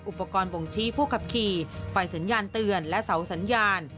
อุปกรณ์บ่งชี้ผู้ขับขี่ไฟสัญญาณเตือนและเสาสัญญาณ